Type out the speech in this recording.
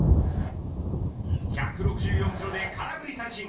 １６４キロで空振り三振。